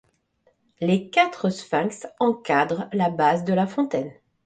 Les quatre sphinx encadrent la base de la fontaine.